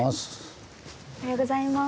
おはようございます。